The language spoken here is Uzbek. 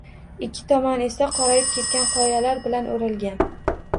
Ikki tomon esa qorayib ketgan qoyalar bilan oʻralgan